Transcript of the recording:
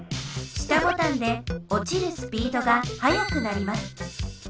下ボタンでおちるスピードがはやくなります。